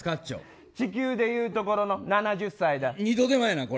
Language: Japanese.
地球でいうところの７０歳だ。